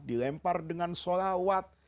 dilempar dengan sholawat